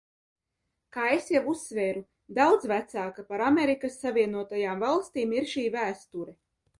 Kā es jau uzsvēru, daudz vecāka par Amerikas Savienotajām Valstīm ir šī vēsture.